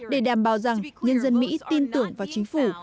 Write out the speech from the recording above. để đảm bảo rằng nhân dân mỹ tin tưởng vào chính phủ